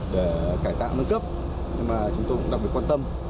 để cải tạo nâng cấp chúng tôi cũng đặc biệt quan tâm